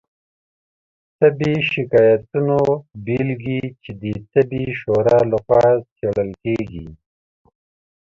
طبي شکایتونو بیلګې چې د طبي شورا لخوا څیړل کیږي